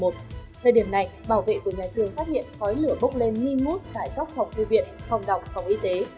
thời điểm này bảo vệ của nhà trường phát hiện khói lửa bốc lên nghi ngút tại các phòng thư viện phòng đọc phòng y tế